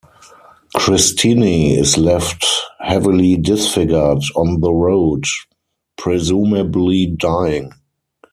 Christini is left heavily disfigured on the road, presumably dying.